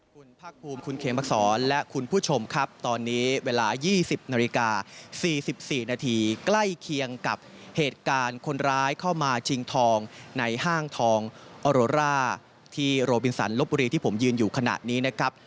คุณพักภูมิคุณเคียงพักษรและคุณผู้ชมครับตอนนี้เวลา๒๐นาฬิกา๔๔นาที